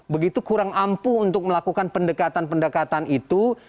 begitu kurang ampuh untuk melakukan pendekatan pendekatan itu